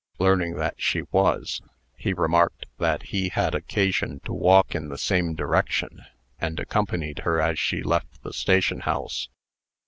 Learning that she was, he remarked that he had occasion to walk in the same direction, and accompanied her as she left the station house.